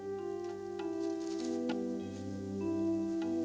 janganlah kau berguna